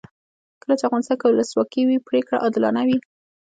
کله چې افغانستان کې ولسواکي وي پرېکړې عادلانه وي.